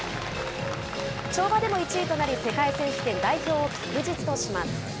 跳馬でも１位となり、世界選手権代表を確実とします。